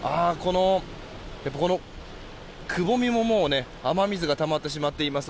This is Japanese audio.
このくぼみも、もう雨水がたまってしまっています。